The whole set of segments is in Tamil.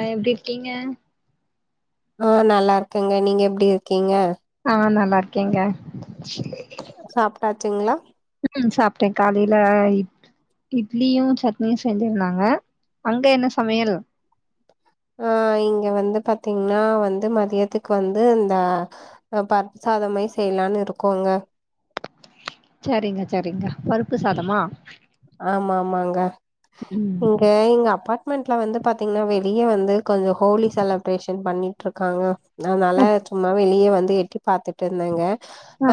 ஆ எப்டி இருக்கிங்க ஆ நல்லா இருக்கங்க நீங்க எப்டி இருக்கிங்க ஆ நல்லா இருக்கேங்க சாப்ட்டாச்சுங்களா ம் சாப்ட்டேன் காலேல இட் இட்லியும் சட்னியும் செஞ்சிருந்தாங்க அங்க என்ன சமையல் ஆ இங்க வந்து பாத்தீங்கன்னா வந்து மதியத்துக்கு வந்து இந்த பருப்பு சா சாதமே செய்யலானு இருக்கோங்க செரிங்க செரிங்கா பருப்பு சாதமா ஆமா ஆமாங்க ம் இங்க எங்க அப்பார்ட்மெண்ட்ல வந்து பாத்தீங்கன்னா வெளியே வந்து கொஞ்சொ ஹோலி செலப்ரேஷன் பண்ணிட்டு இருக்காங்க அதனால அப் சும்மா வெளியே வந்து எட்டி பாத்துட்டு இருந்தேங்க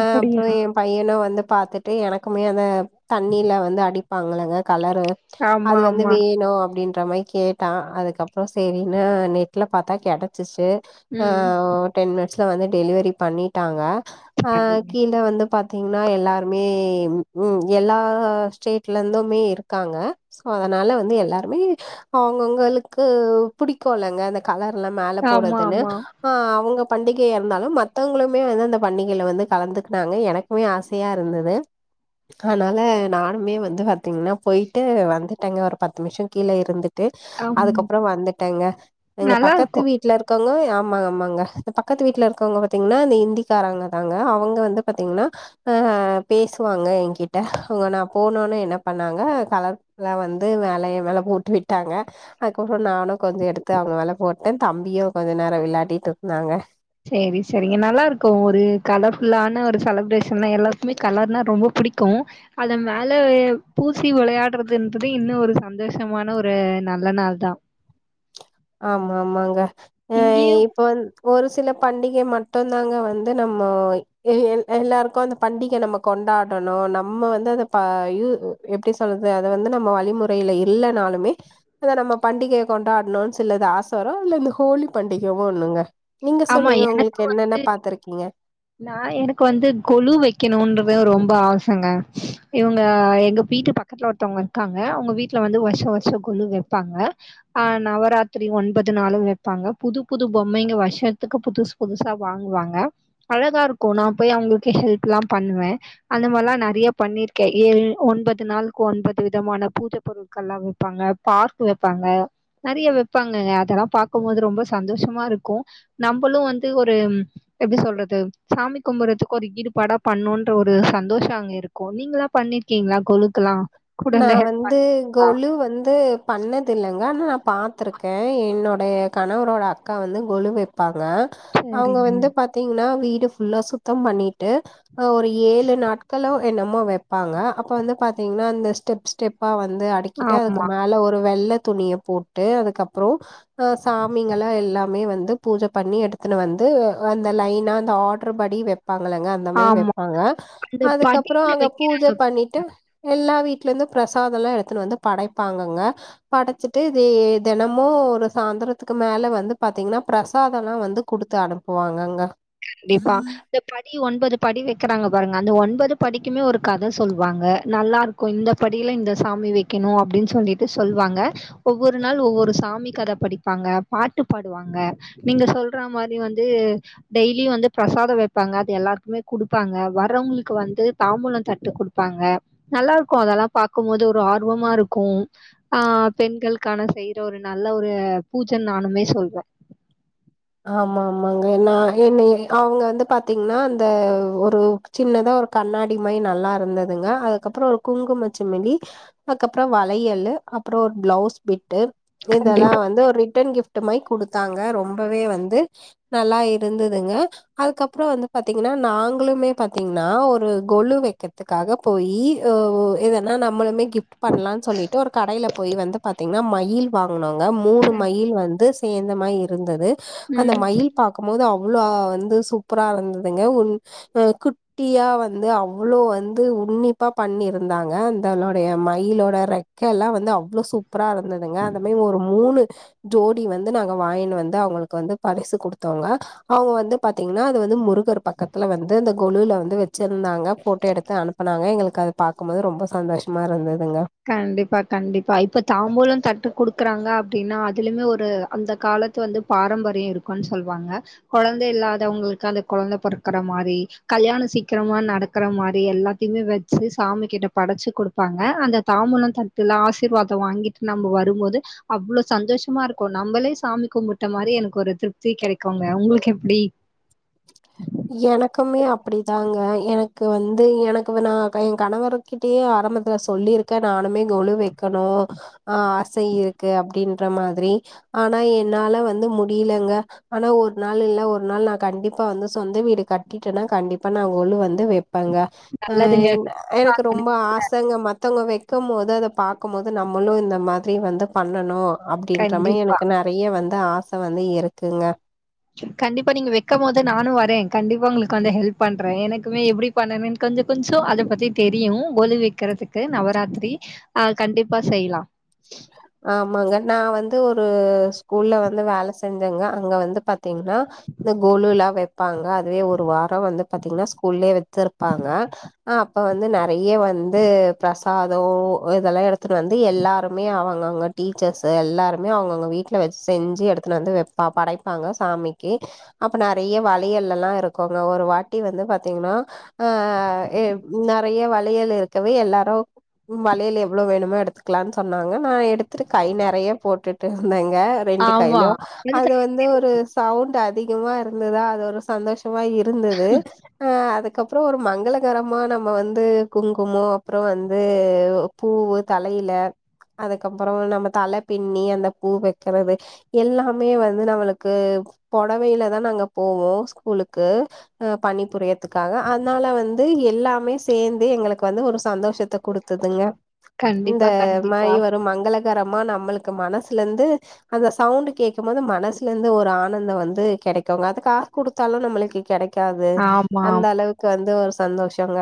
அ அப்புறம் என் பையனு வந்து பாத்துட்டு எனக்குமே அந்த தண்ணியில வந்து அடிப்பாங்களாங்க கலரு ஆமா அது வந்து ஆமா வேணும் அப்படின்ட் அப்புறமே கேட்டான் அதுக்கப்புறம் செரின்னு நெட்ல பாத்தா கெடச்சிச்சு அ ம் டென் மினிட்ஸ்ல வந்து டெலிவரி பண்ணிட்டாங்க ஆ அப்டிங்க கீழ வந்து பா த்தீங்கன்னா எல்லாருமே ம் ம் எல்லா ஸ்டேட் ல இருந்துமே இருக்காங்க சோ அதனால வந்து எல்லாருமே அவங்கவங்களுக்கு புடிப் போலங்க அந்த கலர் எல்லா மேல ஆமா போடுறதுன்னு ஆமா ஆ அவங்க பண்டிகைய இருந்தாலு மத்தவங்களுமே வந்து அந்த பண்டிகையில வந்து கலந்துக்கனாங்க எனக்குமே ஆசையா இருந்தது அதனால நானுமே வந்து பாத்தீங்கன்னா போயிட்டு வந்துட்டேங்க ஒரு பத்து நிமிஷம் கீழ இருந்து ட்டு ஆம் அதுக்கப்புறம் வந்துட்டேங்க எங்க நல்லா பக்கத்து இருக்கு வீட்டுல இருக்கவங்க [unintelligible] ஆமா ஆமாங்க ஆமாங்க இந்த பக்கத்து வீட்டுல இருக்கவங்க பாத்தீங்கன்னா அந்த கிந்திக்காராங்க தாங்க அவங்க வந்து பாத்தீங்கன்னா ஆ பேசுவாங்க என்கிட்ட அவங்க நா போனோனே என் என்ன பண்ணாங்க கலர்ல வந்து வேலைய மேல போட்டு விட்டாங்க அதுக்கப்புறம் நானும் கொஞ்சொ எடுத்து அவங்க மேல போட்டேன் தம்பியும் கொஞ்சொ நேரம் வெளையாட்டிட்டு இருந்தாங்க செரி செரிங்க நல்லா இருக்கும் ஒரு கலர்ஃபுல்லான ஒரு செலப்ரேஷன் எல்லா எல்லாருக்குமே கலர்னா ரொம்ப பிடிக்கும் அத மேல பூசி வெளையாடுறதுன்றது இன்னும் ஒரு சந்தோஷமான ஒரு நல்ல நாள் தான் [inaudible] ஆமா ஆமாங்க அ இங்கேயு இப்ப வந் ஒரு சில பண்டிகை மட்டு தாங்க வந்து நம்ம எல் எல்லாருக்கும் அந்த பண்டிகை நம்ம கொண் டாடணும் நம்ம வந்து அத தா யூ எப்டி சொல்லறது அதது வந்து நம்ம வழிமுறையில இல்லனாலும் மே [unintelligible] நம்ம பண்டிகைய கொண்டாடணும்னு சிலது ஆசை வரும் அந் இந்த ஹோலி பண்டிகவும் ஒண்ணுங்க நீங்க ஆமா சொல்லுங்க எனக்கு உங்களுக்கு என்னென்ன பாத்துருக்கீங்க நா எனக்கு வந்து கொழு வைக்கணும்ன்றது ரொம்ப ஆச ங்க இவங்க எங்க வீட்டு பக்கத்துல ஒருத்தவங்க இருக்காங்க உங்க வீட்டுல வந்து வருஷொ வருஷொ கொழு வ ப்பாங்க அ நவராத்திரி ஒன்பது நாளும் வைப்பாங்க புது புது பொம்மைங்க வர் ஷத்துக்கு புதுசு புதுசா வாங்குவாங்க அழகா இருக்கும் நான் போய் அவங்களுக்கு ஹெல்ப் எல்லா பண்ணுவே அந்த மாரிலாம் நிறைய பண்ணிருக்கேன் ஏ ஒன்பது நாளுக்கு ஒன்பது விதமான பூஜை பொருட்கள் எல்லா வைப்பாங்க க பாக் வைப்பாங்க நெறைய வைப்பாங்க அதெல்லா பாக்கும்போது ரொம்ப சந்தோஷமா இருக்கும் நம்பளும் வந்து ஒரு எப்படி சொல்றது சாமி கும்புறதுக்கு ஒரு ஈடுபாடா பண்ணும்ன்ற ஒரு சந்தோஷ அங்க இருக்கும் நீங்களாம் பண்ணிருக்கீங்களா கொழுக்கெல்லாம் நா வந்து கொலு வந்து பண்ணதில்ல ஆகா பாத்திருக்கே என்னுடைய கணவரோட அக்கா வந்து கொழு வைப்பாங் க அவங்க சரிங்க. வந்து பாத்தீங்கன்னா வீடு ஃபுல்லா சுத்தம் பண்ணி ட்டு அ ஒரு ஏழு நாட்களோ என்னமோ வைப்பாங்க அப்ப வந்து பாத்தீங்கன்னா அந்த ஸ்டெப் ஸ்டெப்பா வந்து அடிக்கிட்டு அதுக்கு ஆமா மேல ஒரு வெள்ளை துணிய போட்டு அதுக்கப்புறொ ஆ சாமிங்களா எல்லாமே வந் து பூஜ பண்ணி எடுத்துன்னு வந்து அந்த லைன அந்த ஆர்டர் படி வெ ப்பாங்களங்க அந்த மாதி ஆமா மெப்பாங்க அந்த அதுக்கப்புறொ படியில அங்க பூஜை வைக்கிறாங்க பண்ணிட்டு எல்லா வீ ட்ல இருந்து பிரசாதம் எல்லா எடுத்துட்டு வந்து படைப்பாங்கங்க படைச்சிட்டு இது தினமும் ஒரு சா ந்தறதுக்கு மேல வந்து பாத்தீங்கன்னா பிரசாதோ எல்லா வந்து குடுத்து அனுப்புவாங்கங்க கண்டிப்பா இந்த படி இ ஒன்பது படி வெக்கிறாங்க பாருங்க அந்த ஒன்பது படிக்குமே ஒரு கத சொல்வாங்க நல்லா இருக்கு இந்த படில இந்த சாமி வெக்கணு அப்டின்னு சொல்லிட்டு சொல்வாங்க ஒவ்வொரு நாள் ஒவ்வொரு சாமி கத படிப்பாங்க பாட்டு பாடுவாங்க நீங்க சொல்றா மாரி வந்து டெய்லியு வந்து பிரசாதோ வெப்பாங்க அது எல்லாருக்குமே குடுப்பாங்க வர்றவங்களுக்கு வந்து தாம்பூலந் தட்டு குடுப்பா ங்க நல்லா இருக்கு அதெல்லா பாக்கும்போது ஒரு ஆர்வமா இருக்கு ஆ பெண்களுக்கான செய் ற ஒரு நல்ல ஒரு பூஜன் நானுமே சொல்வ ஆமா ஆமாங்க நா என்னய அவுங்க வந்து பாத்தீங்னா அந்த ஒரு சின்னதா ஒரு கண் ணாடி மாரி நல்லா இருந்ததுங்க அதுக்கப்பறோ ஒரு குங்குமச்சிமிலி அதுக்கப்பறோ வளையல் அப்றோ ஒரு பிளவுஸ் பிட்டு இதெல்லா கண்டிப்பா. வந்து ஒரு ரிட்டன் கிஃப்ட் மாரி குடுத்தாங்க ரொம் பவே வந்து நல்லா இருந்துதுங்க அதுக்கப்றோ வந்து பாத்தீங்கனா நாங்களுமே பாத்தீங்கனா நா ஒரு கொழு வெக்கிர்த்துகாக போயி எதனா நம்மளுமே கிஃப்ட் பண்லான்னு சொல்லிட்டு ஒரு கடைல போய் வந்து பாத்தீங்கனா மயில் வாகனோங்க மூண் மயில் வந்து சேந்தமா இருந்தது அந்த ம். மயில் பாக்கும்போது அவ் ளோ வந்து சூப்பரா இருந்ததுங்க உ குட்டியா வந்து அவ்ளோ வந்து உன்னிப்பா பண்ணிருந்தாங்க அந்தலோடய மயிலோட ரெக்க எல்லா வந்து அவ்ளோ சூப்பரா இருந்ததுங்க அந்த மாரி ஒரு மூணு ஜோடி வந்து நாங்க வாயின்னுவந்து அவுங்களுக்கு வந்து பரிசு குடுத்தோங்க அவுங்க வந்து பாத்தீங்கன்னா அது வந்து முருகர் பக்கத்துல வந்து அந்த கொலுல வந்து வெச்சிருந்தாங்க ஃபோட்டோ எடுத்து அனுப்புனாங்க எங்களுக்கு அது பாக்கும்போது ரொம்ப சந்தோஷமா இருந்தது கண்டிப்பா கண்டிப்பா இப்ப தாம்பூலந் தட்டு குடுக்கறாங் க அப்டினா அதுலயுமே ஒரு அந்த காலத்து வந்து பாரம்பரியோ இருக்குனு சொல்வாங்க கொழந்த இல்லாத வங்களுக்கு அந்த கொழந்த பொறக்கற மாரி கல்யாணோ சீக்கிரமா நடக்கிற மாரி எல்லாத்தையுமே வெச்சு சாமி கிட்ட படச்சு குடுப்பாங்க அந்த தாம்பூலந்தட்ல ஆசீர்வாதோ வாங்கிட்டு நம்ம வரும்போது அவ்ளோ சந்தோஷமா இருக்கு நம்மளே சாமி கும்பிட்ட மாரி எனக்கு ஒரு திருப்தி கெடைக்குங்க உங்களுக்கு எப்டி எனக்குமே அப்டிதாங்க எனக்கு வந்து எனக்கு நா என் கணவர் கிட்டயே ஆரம்பத்துல சொல்லிருக்க நானுமே கொழு வெக்கணு ஆசை இருக்கு அப்டின்ற மாதிரி ஆனா என்னால வந்து முடியலங்க ஆனா ஒரு நாள் இல்ல ஒரு நாள் நா கண்டிப்பா வந்து சொந்த வீடு கட்டிட்டனா கண்டிப்பா நா கொலு வந்து வெப்பங்க எ நல்லதுங்க. எனக்கு ரொம்ப ஆசங்க மத் மத்தவங்க வெக்கும்போது அத பாக்கும்போது நம்மளு இந்த மாரி வந்து பண்ணணு அப்டின்ற மாரி கண்டிப்பா. எனக்கு நெறய வந்து ஆச வந்து இருக்குங்க கண்டிப்பா நீங்க வெக்கும்போது நானு வரேன் கண்டிப்பா உங்களுக்கு வந்து ஹெல்ப் பண்றே எனக்குமே எப்டி பண்ணணு கொஞ் கொஞ்சோ அத பத்தி தெரியு கொழு வெக்கறதுக்கு நவராத்திரி ஆ கண்டிப்பா செய்லா ஆமாங்க நா வந்து ஒரு ஸ்கூல்ல வந்து வேல செஞ்சங்க அங்க வந்து பாத்தீங்கன்னா இந்த கொழுல வெப்பாங்க அதுவே ஒரு வாரோ வந்து பாத்தீங்கனா ஸ்கூல்லயே வெச்சிருப்பாங்க அப்ப வந்து நெற யா வந்து பிரசாதோ இதெல்லா எடுத்துட்டு வந்து எல்லாரு மே அவுங்க அவுங்க டீச்சர்ஸ்ஸு எல்லாருமே அவுங்க அவுங்க வீட்ல வெச் செஞ்சு எடுத்துனு வந்து வெப்பா படைப்பாங்க சா மிக்கு அப்ப நெறயா வளையல் எல்லா இருக்கு அங்க ஒரு வாட்டி வந்து பாத்தீங்கனா ஆ எ நெறயா வளையல் இருக்கவே எல்லாரு வளையல் எவ்ளோ வேணுமோ எடுத்துக்கலான் சொன்னாங்க நா எடுத்துரு கை நெறய போட்டுட்டு வந்தங் க ரெண்டு ஆமா. கைலயு அது அதுதான் வந்து ஒரு சவுண்ட் அதிகமா இருந்ததா அது ஒரு சந்தோஷ மா இருந்தது அ அதுக் க்கப்றோ ஒரு மங்களகரமா நம்ம வந்து குங்குமோ அப்புறோ வந்து பூவு தலைல அதுக்கப்பறோ நம்ம தலை பின்னி அந்த பூ வெக்கிறது எல்லாமே வந்து நம்மளுக்கு அது புடவைல தா நாங்க போவோ ஸ்கூலுக்கு பணிபுரியறதுக்காக அதனால வந்து எல்லாமே சேந்தே எங்களுக்கு வந்து ஒரு சந்தோஷத்த குடுத்ததுங்க இந்த கண்டிப்பா, கண்டிப்பா. மாய் வரும் மங்களர கறமா நம்மளுக்கு மனசுல இருந்து அந்த சவுண்ட் கேட்க போது மனசுல இருந்து ஒரு ஆனந்தம் வந்து கிடைக்குங்க அது காசு குடுத்தாலு நம்மளுக்கு கிடைக் காது ஆமா. அந்த அளவுக்கு வந்து ஒரு சந்தோஷங்க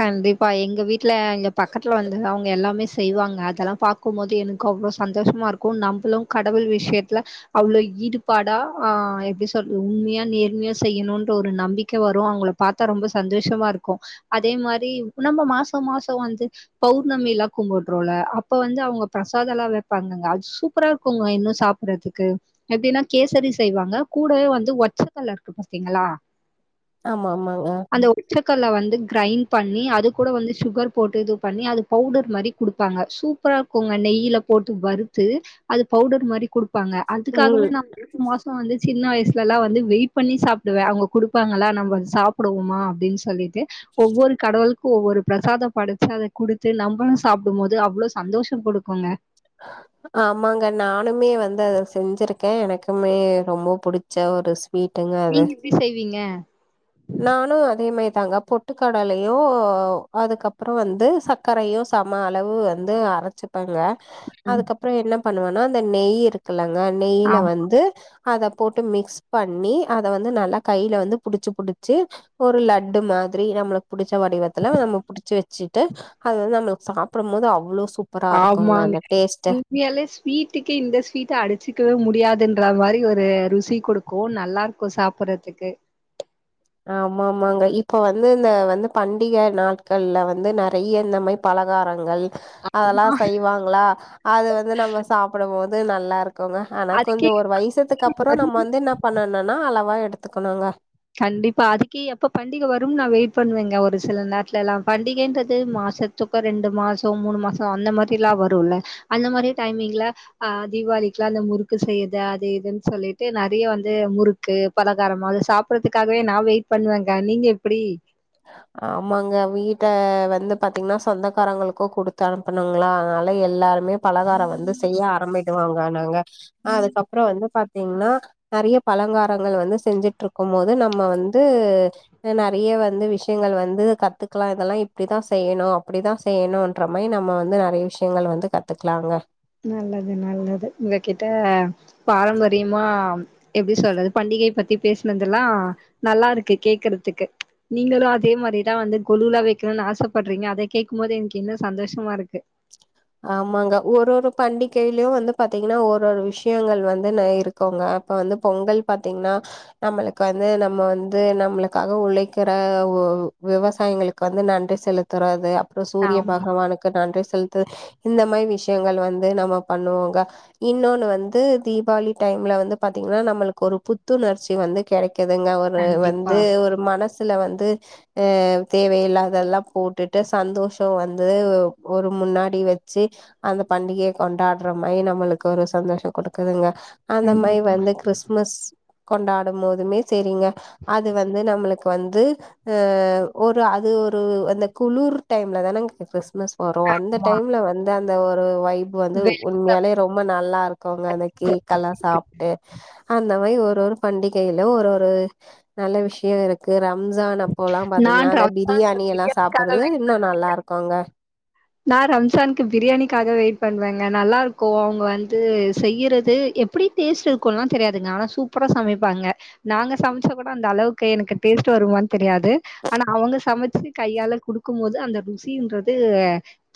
கண்டிப்பா எங்க வீட்டுல எங்க பக்கத்துல வந்த அவுங்க எல்லாமே செய்வாங்க அதெல்லா பாக்கும்போது எனக்கு அவ்ளோ சந்தோஷமா இருக்கு நம்பளு கடவுள் விஷயத்துல அவ்ளோ ஈடுபாடா ஆ எப்டி சொல் உண்மையா நேர்மையா செய்யணுன்ற ஒரு நம்பிக்கை வரு அவுங்கள பாத்தா ரொம்ப சந்தோஷமா இருக்கு அதே மாரி நம்ம மாசோ மாசோ வந்து பௌர்ணமி எல்லா கும்புடுறோல அப்ப வந்து அவுங்க பிர் சாதன்னல வைப்பாங்க அது சூப்பரா இருக்குங்க இன்னு சாப்டறதுக்கு எப்படின்னா கேசரி செய்வாங்க கூட் கே வந்து ஒன்சிக்னல இருந்துபாத்தீங்களா ஆமா ஆமா. ஆமாங்க கல்ல வந்து கிரைண்ட் பண்ணி அது கூட வந்து சுகர் போட்டு இது பண்ணி அது பவுடர் மாரி குடுப்பாங்க சூப்பரா இருக்கும்ங்க இன் நெய்ல போட்டு வறுத்து அது பவுடர் மாரி குடுப்பாங்க அதுக்காகவே ம் நா இரண்டு மாசோ வந்து சின்ன வயசுல்லா வந்து வெயிட் பண்ணி சாப்டுவே அவுங்க குடுப்பாங்களா நம்ம வந்து சாப்புடுவோமா அப்படின்னு சொல்லிவிட்டு ஒவ்வொரு கடவுள் ஒவ்வொரு பிரசாதசம் படைச்சு அத குடுத்து நம்மளு சாப்டும் போது அவ்வளவு சந்தோஷோ கொடுக்குங் ஆமாங்க நானுமே வந்து அத செஞ்சிருக்கே எனக்குமே ரொம்ப புடிச்ச ஒரு ஸ்சு விட்டுங்க அது நீங்க எப்டி செய்வீங்க நானு அதே மேர் போட்டாங்க பொட்டுக்கடலையு அதுக்கப்றோ வந்து சர்க்கரையு சம அளவு வந்து அரைச்சிப்பேங்க ம். அதுக்கப்றோ என்ன பண்ணுவனா அந்த நெய் இருக்கலாங்க நெயில ஆமா வந்து அத போட்டு மிக்ஸ் பண்ணி அத வந்து நல்லா கைல வந்து புடிச்சு புடிச்சு ஒரு லட்டு மா ரி நம்மளுக்கு புடிச்ச வடிவத்துல நம புடிச்சு வச்சுட்டு அத வந்து நம்ம சாப்டும் போது அவ்ளோ சூப்பராக இருக்கு மாரிங் உண்மையாலே ஸ்வீட்டுக்கு இந்த ஸ்வீட்ட அடிச்சக்கவே முடியாதுன் ந்த மாரி ஒரு ருசி குடுக்கு நல்லா இருக்கு சாப்படுறதுக்கு ஆமா ஆமாங்க இப்ப வந்து இந்த வந்து பண்டிக நாட்கள்ல வந்து நெறைய இந்த மாரி பழ பலகாரங்கள் அதெல்லா செய்வாங்களா அது வந்து நம்ம சாப்டும்போது நல்லா இருக் குங்க ஆனா கொஞ்சோ அதுக்கே ஒரு வய்சத்துக்கு அப்றோ வரும் நம்ம வந்து என்ன பண்ணனுனா அளவா எடுத்துக்கணுங்க கண்டிப்பா அதுக்கே எப்ப பண்டிக வரும் நா வெயிட் பண்ணுவேங்க ஒரு சில நேரத்துல்லா பண்டிகைன்றது மாசத்து க்கு ரெண்டு மாசோ மூணு மாசோ அந்த மாரி எல்லா வரும்ல அந்த மாரி டைமிங்ல ஆ தீபாவளி அந்த முறுக்கு செய்றது அது இதுன்னு சொல்லிட்டு நெறைய வந்து முறுக்கு பலகாரமா அத சாப் பறதுக்காகவே நா வெயிட் பண்ணுவேங்க நீங்க எப்டி [inaudible] ஆமாங்க வீட்ட வந்து பாத்தீங்கன்னா சொந்தக்காரங்களுக்கு குடுத்து அனுப்பணுங்களா அனால எல்லா எல்லாருமேபலகாரம் வந்து செய்ய ஆரம்பிடுவாங்க நா அதுக்கப்புறோ வந்து பாத்தீங்கன்னா நெறைய து பலங்காரங்கள் வந்து செஞ்சுட்டு இருக்கும்போது நம்ம வந்து நெறையவாட் வந்து விஷ்யங்கள் வந்து கத்துக்கலா இதெல்லா இப்டித்தா செய்யணு அப்டித்தா செய்யணுன்ற மாரி நம்ம வந்து நெறைய விஷ்யங்கள் வந்து கத்துக்கலாங்க நல்லது நல்லது உங்க கிட்ட பாரம்பரியமா எப்டி சொல்றது பண்டி கை பத்தி பேசுனதெல்லா நல்லா இருக்கு கேக்றதுக்கு நீங்களு அதே மாரி தா வந்து கொலுல வைக்கணுனு ஆசப்பறீங்க அத கேட்கெ போது எனக்கு இன்னு சந்தோஷமா இருக்கு ஆமாங்க ஒரொரு பண்டிகைலயு வந்து பாத்தீங்கன்னா ஒரு ஒரு விஷ்யங்கள் வந்து இருக்குங்க இப்ப வந்து பொங்கள் பாத்தீங்கன்னா நம்மளுக்கு வந்து நம்ம வந்து நம்ளுக்காக உழைக்கற விவசாயங்களுக்கு வந்து நன்றி செலுத்துறது அப்றோ சூரிய ஆமா பகவானுக்கு நன்றி செலுத் ட்டு இந்த மாரி விஷ்யங்கள் வந்து நம்ம பண்ணுவோங்க இன்னொன்னு வந்து தீபாவளி டைம் ல வந்து பாத்தீங்னா நம்மளுக்கு ஒரு புத்துணர்ச்சி வந்து கெடைக்குதுங்க ஒரு கண்டிப்பா வந்து ஒரு மனசு ல வந்து அ தேவயில்லாதெல்லா போட்டுட்டு சந்தோஷோ வந்து ஒரு முன்னா டி வச்சு அந்த பண்டிகைய கொண்டாட்ற மாரி நம்மளுக்கு ஒரு சந்தோஷோ குடுக்குதுங்க அந்த மாரி கண்டிப்பா வந்து கிறிஸ்மஸ் கொண்டாடும் போதுமே சேரிங்க அது வந்து நம்மளுக்கு வந்து ஆ ஒரு அது ஒரு அந்த குளூர் டைம்ல தானங்க கிறிஸ் மஸ் வரு அந்த ஆமா டைம்ல வந்து அந்த ஒரு வை வைப் வந்து உண்மையாலே ரொம்ப நல்லா இருக்குங்க அந்த கேக்கலா சாப்ட்டு அந்த மாரி ஒர் ஒரு பண்டிகைல ஒரு ஒரு நல்ல விஷ்யோ இருக்கு ரம் ம்ஜான் அப்போலா பாத்தீங்கனா நான் அந்த ரம்ஜானுக்கு பிரியாணியெல்லா‌ பிரியாணிக்காக சாப்பறது இன்னு நல்லா இருக்குங்க நா ரம்ஜானுக்கு பிரியாணிக்காக வெயிட் பண்ணுவேங்க நல்லா இருக்கு அவுங்க வந்து செய்யிறது எப்டி டேஸ்ட் இருக்குலா தெரியாதுங்க ஆனா சூப்பரா சமைப்பாங்க நாங்க சமைச்சா கூட அந்த அளவுக்கு எனக்கு டே ஸ்ட் வருமானு தெரியாது ஆனா அவங்க சமச்சு கையால குடுக்கும் போது அந்த ருசின்றது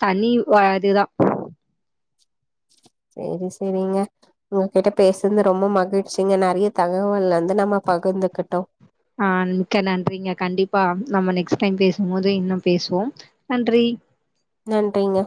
தனி வ இது தா சேரி சேரிங்க உங்ககிட்ட பேசுனது ரொம்ப மகிழ்ச்சிங்க நெறைய தகவல் வந்து நம்ம பகிர்ந்துக்கிட்டோ ஆன் மிக்க நன்றிங்க கண்டிப்பா நம்ம நெக்ஸ்ட் டைம் பேசும் போது இன்னு பேசுவோ நன்றி ம் நன்றிங்க